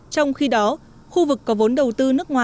trong khi đó khu vực có vốn đầu tư